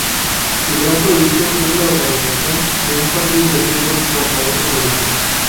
Su gran proyecto es la organización de un partido de fútbol contra otro colegio.